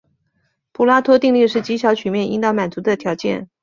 普拉托定律是极小曲面应当满足的条件。